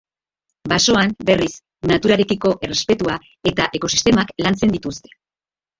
Basoan, berriz, naturarekiko errespetua eta ekosistemak lantzen dituzte.